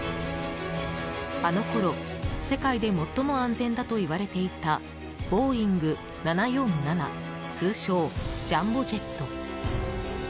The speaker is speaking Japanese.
あのころ、世界で最も安全だといわれていたボーイング７４７通称ジャンボジェット。